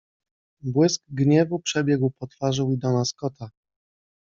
Błysk gniewu przebiegł po twarzy Weedona Scotta.